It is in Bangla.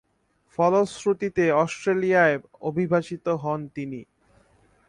ফলশ্রুতিতে, অস্ট্রেলিয়ায় অভিবাসিত হন তিনি।